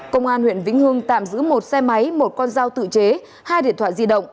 công an huyện vĩnh hương tạm giữ một xe máy một con dao tự chế hai điện thoại di động